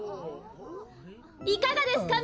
いかがですか？